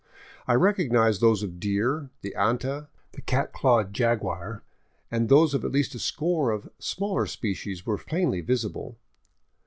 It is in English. I recognized those of the deer, the anta, the cat clawed jaguar; and those of at least a score of smaller species were plainly visible.